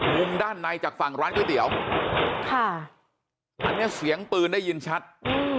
มุมด้านในจากฝั่งร้านก๋วยเตี๋ยวค่ะอันนี้เสียงปืนได้ยินชัด